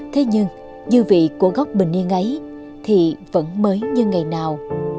thế nhưng dư vị của góc bình yên ấy thì vẫn mới như ngày nào